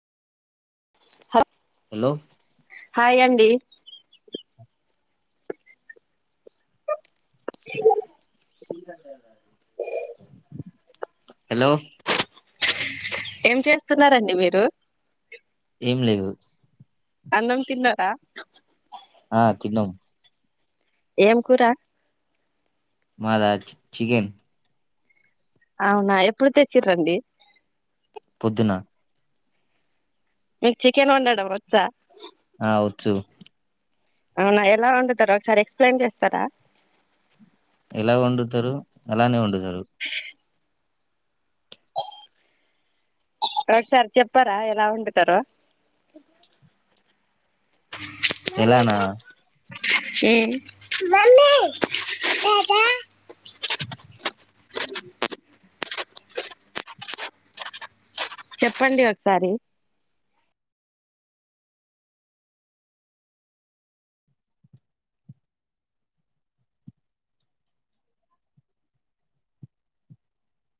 హ hello hi యండి hello ఏం చేస్తున్నారండి మీరు ఏం లేదు అన్నం తిన్నారా ఆ తిన్నం ఏం కురా మాదా చి చికెన్ అవునా ఎప్పుడు తెచ్చిర్రండి పొద్దున మీక్ చికెన్ వండడం వచ్చా ఆ వొచ్చు అవునా ఎలా వండుతారు ఒకసారి ఎక్స్ప్లెయిన్ చేస్తారా ఎలా వండుతారు అలానే వండుతారు ఒకసారి చెప్పారా ఎలా వండుతారో ఎలానా హు చెప్పండి ఒకసారి